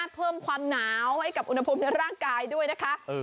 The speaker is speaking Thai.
เพิ่มความหนาวให้กับอุณหภูมิในร่างกายด้วยนะคะ